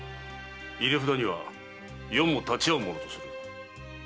入れ札には余も立ち会うものとする。